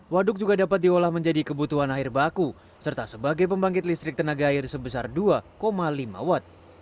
waduk juga dapat diolah menjadi kebutuhan air baku serta sebagai pembangkit listrik tenaga air sebesar dua lima watt